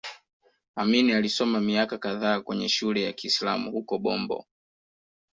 Amin alisoma miaka kadhaa kwenye shule ya Kiislamu huko Bombo